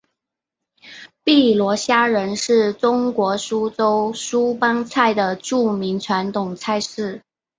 碧螺虾仁是中国苏州苏帮菜的著名传统菜式。